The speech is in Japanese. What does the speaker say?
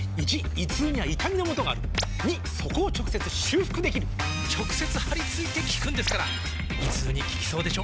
①胃痛には痛みのもとがある②そこを直接修復できる直接貼り付いて効くんですから胃痛に効きそうでしょ？